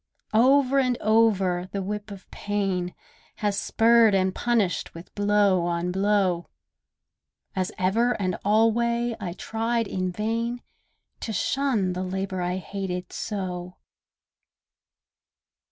Over and over the whip of pain Has spurred and punished with blow on blow; As ever and alway I tried in vain To shun the labour I hated so.